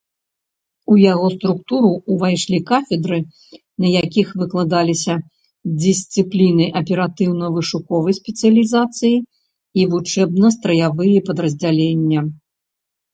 У яго структуру ўвайшлі кафедры, на якіх выкладаліся дысцыпліны аператыўна-вышуковай спецыялізацыі, і вучэбна-страявыя падраздзялення.